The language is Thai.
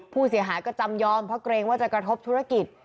ผู้เสียหายก็จำยอมเพราะเกรงว่าจะกระทบธุรกิจ